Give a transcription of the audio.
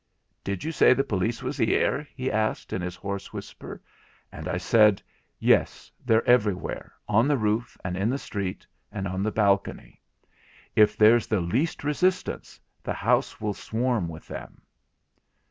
'Did you say the police was 'ere?' he asked in his hoarse whisper; and I said: 'Yes, they're everywhere, on the roof, and in the street, and on the balcony. If there's the least resistance, the house will swarm with them.'